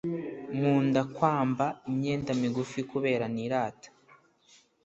Nkunda kwamba imyenda migufi kubera nirata